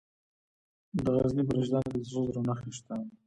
د غزني په رشیدان کې د سرو زرو نښې شته.